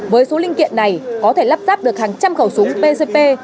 với số linh kiện này có thể lắp ráp được hàng trăm khẩu súng pcp